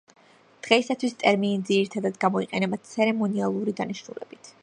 დღეისათვის ტერმინი ძირითადად გამოიყენება ცერემონიალური დანიშნულებით.